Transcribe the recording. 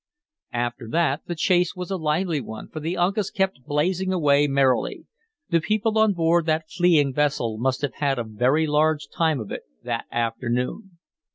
After that the chase was a lively one, for the Uncas kept blazing away merrily. The people on board that fleeing vessel must have had a very large time of it that afternoon.